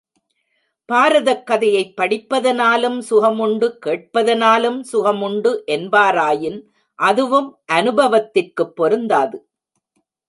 பாரதக் கதையைப் படிப்பதனாலும் சுகமுண்டு, கேட்பதனாலும் சுகமுண்டு என்பாராயின் அதுவும் அனுபவத்திற்குப் பொருந்தாது.